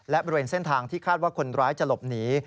และบริเวณเส้นทางที่คาดว่าคนร้ายจะหลบหนี